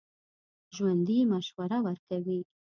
ژوندي مشوره ورکوي